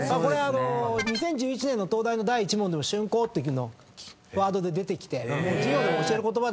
２０１１年の東大の第１問でも竣工っていうのワードで出てきて授業でも教える言葉ですからね。